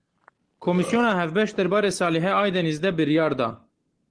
Komîsyona Hevbeş derbarê Salihe Aydeniz de biryar da.